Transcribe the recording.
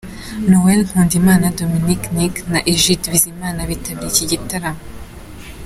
Noel Nkundimana, Dominic Nic na Egide Bizima bitabiriye iki gitaramo.